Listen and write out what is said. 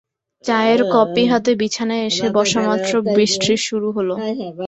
চায়ের কপি হাতে বিছানায় এসে বসামাত্র বৃষ্টি শুরু হল।